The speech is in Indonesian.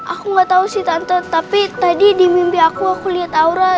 aku gak tau sih tante tapi tadi di mimpi aku aku lihat aura